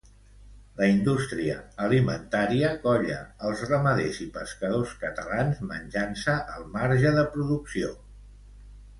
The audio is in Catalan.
La indústria alimentària colla els ramaders i pescadors catalans menjant-se el marge de producció.